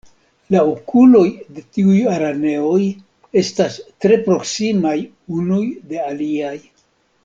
La okuloj de tiuj araneoj estas tre proksimaj unuj de aliaj.